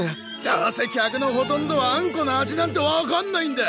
どうせ客のほとんどはあんこの味なんて分かんないんだ！